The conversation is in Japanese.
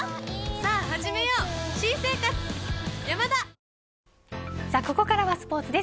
さあここからはスポーツです